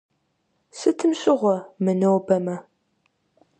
Сытым щыгъуэ, мынобэмэ?